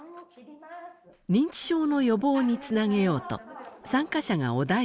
認知症の予防につなげようと参加者がお題を持ち寄りました。